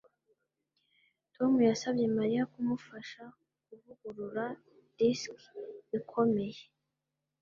Tom yasabye Mariya kumufasha kuvugurura disiki ikomeye